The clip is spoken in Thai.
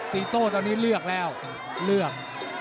ตีโต้ตอนนี้เลือกแล้วเลือก